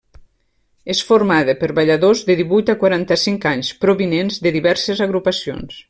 És formada per balladors de divuit a quaranta-cinc anys provinents de diverses agrupacions.